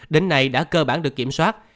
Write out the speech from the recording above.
đến nay đã cơ bản được kiểm soát